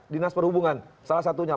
dinas perhubungan salah satunya